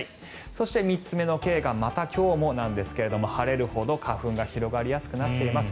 そして、３つ目のＫがまた今日もなんですが晴れるほど花粉が広がりやすくなっています。